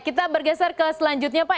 kita bergeser ke selanjutnya pak